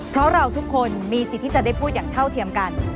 เพราะเราทุกคนมีสิทธิ์ที่จะได้พูดอย่างเท่าเทียมกัน